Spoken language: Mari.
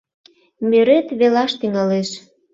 Мӧрет велаш тӱҥалеш.